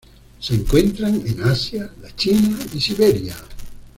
Se encuentran en Asia: la China y Siberia.